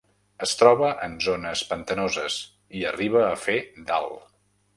Es troba en zones pantanoses, i arriba a fer d'alt.